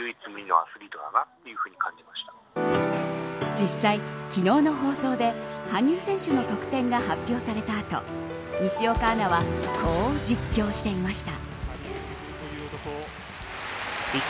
実際、昨日の放送で羽生選手の得点が発表された後西岡アナはこう実況していました。